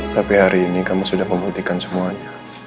tapi hari ini kami sudah membuktikan semuanya